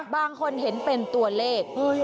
บางคนเห็นเป็นตัวเลข